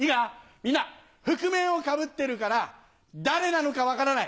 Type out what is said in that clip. みんな覆面をかぶってるから誰なのか分からない。